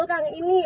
loh kang ini